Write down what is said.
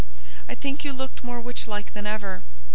I think you looked more witch like than ever.